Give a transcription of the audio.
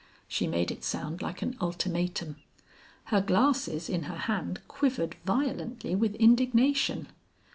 She made it sound like an ultimatum. Her glasses in her hand quivered violently with indignation.